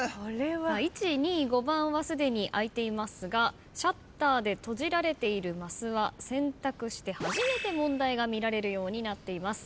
１２５番はすでに開いていますがシャッターで閉じられているマスは選択して初めて問題が見られるようになっています。